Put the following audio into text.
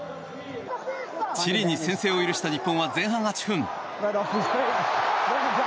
チリに先制を許した日本は前半８分。